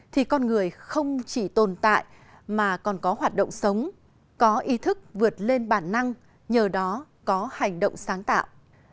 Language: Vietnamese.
thì con người không chỉ tồn tại mà còn có hoạt động sống có ý thức vượt lên bản năng nhờ đó có hành động sáng tạo